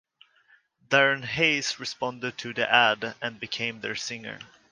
Darren Hayes responded to the ad and became their singer.